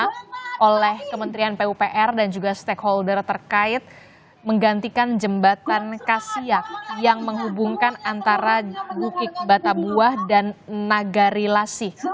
yang oleh kementerian pupr dan juga stakeholder terkait menggantikan jembatan kasiak yang menghubungkan antara bukit batabuah dan nagari lasih